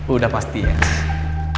udah pasti yes